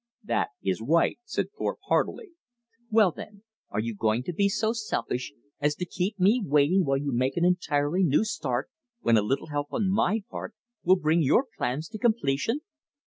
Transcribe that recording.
"That is right," said Thorpe heartily. "Well, then, are you going to be so selfish as to keep me waiting while you make an entirely new start, when a little help on my part will bring your plans to completion?"